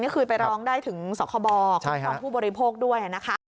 นี่คือไปร้องได้ถึงสกบอกของผู้บริโภคด้วยนะคะ